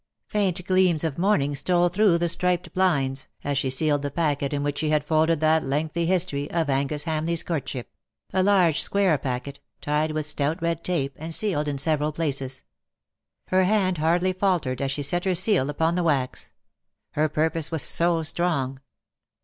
Faint gleams of morning stole through the striped blinds, as she sealed the packet in which she had folded that lengthy history of Angus Hamleigh^s courtship — a large square packet, tied with stout red tape, and sealed in several places. Her hand hardly faltered as she set her seal upon the wax : her purpose was so strong.